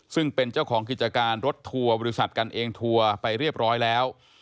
ซึ่งเป็นเจ้าของกิจการรถทัวร์บริษัทกันเองทัวร์ไปเรียบร้อยแล้ว